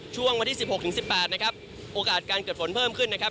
ช่วงวันที่๑๖๑๘นะครับโอกาสการเกิดฝนเพิ่มขึ้นนะครับ